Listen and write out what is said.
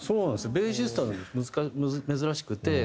ベーシストでは珍しくて。